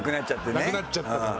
なくなっちゃったから。